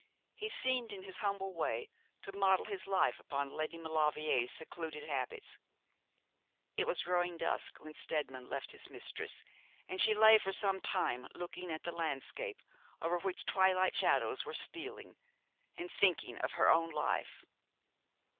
He seemed in his humble way to model his life upon Lady Maulevrier's secluded habits. It was growing dusk when Steadman left his mistress, and she lay for some time looking at the landscape over which twilight shadows were stealing, and thinking of her own life.